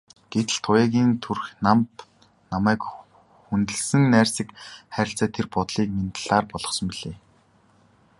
Гэтэл Туяагийн төрх намба, намайг хүндэлсэн найрсаг харьцаа тэр бодлыг минь талаар болгосон билээ.